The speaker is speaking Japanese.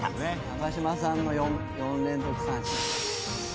「長嶋さんの４連続三振か」